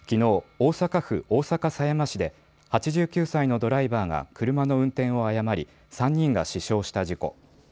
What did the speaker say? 大阪府大阪狭山市で８９歳のドライバーが車の運転を誤り３人が死傷した事故。